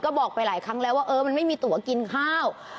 ก็บอกไปหลายครั้งแล้วว่าเออมันไม่มีตัวกินข้าว